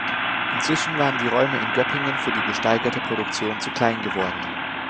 Inzwischen waren die Räume in Göppingen für die gesteigerte Produktion zu klein geworden.